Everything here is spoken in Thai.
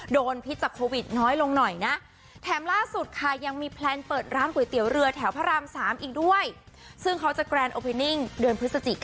ดูฉันไปทานมันแล้วอร่อย